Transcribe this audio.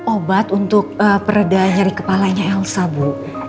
obat untuk pereda nyari kepalanya elsa bu